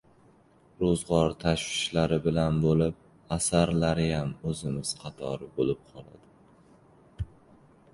— Ro‘zg‘or tashvishlari bilan bo‘lib, asarlariyam o‘zimiz qatori bo‘lib qoladi".